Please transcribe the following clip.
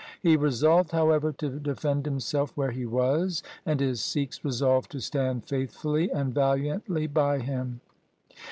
He resolved, however, to defend himself where he was, and his Sikhs resolved to stand faithfully and valiantly by him.